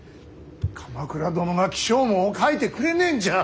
鎌倉殿が起請文を書いてくれねえんじゃ。